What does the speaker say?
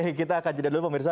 oke kita akan jeda dulu pemirsa